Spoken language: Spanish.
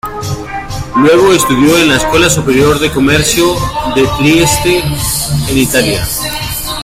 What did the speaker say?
Luego estudió en la Escuela Superior de Comercio de Trieste en Italia.